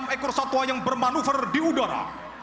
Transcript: enam ekor satwa yang bermanuver di udara